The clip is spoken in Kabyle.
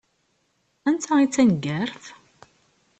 Anta i d taneggart?